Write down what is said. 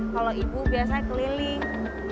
kalau ibu biasanya keliling